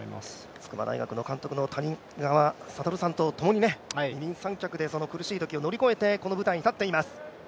筑波大学の監督の谷川聡さんと一緒に二人三脚で苦しいところを乗り越えて、この舞台に立っています。